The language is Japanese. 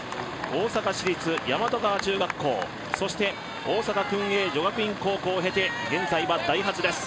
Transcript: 大阪市立大和川中学校、そして、大阪薫英女学院高校を経て現在はダイハツです。